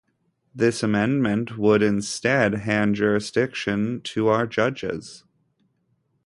This amendment would instead hand jurisdiction to our judges.